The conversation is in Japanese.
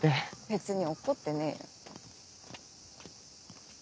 別に怒ってねえよ。